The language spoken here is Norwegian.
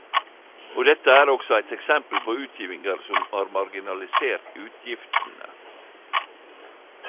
Og dette er også eit eksempel på utgivingar som har marginalisert utgiftene.